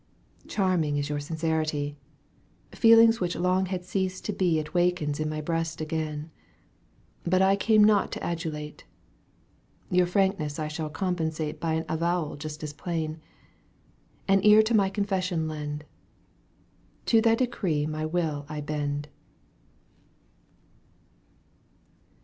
Charming is your sincerity, Feelings which long had ceased to be It wakens in my breast again. But I came not to adulate :/| Tour frankness I shaU compensate ^ By an avowal just as plain. \ An ear to my confession lend ;^, To thy decree my will I bend.